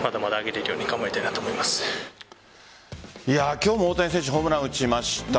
今日も大谷選手ホームラン打ちました。